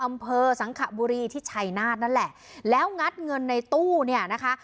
อำเภอสังขบุรีที่ชัยนาธนั่นแหละแล้วงัดเงินในตู้เนี่ยนะคะ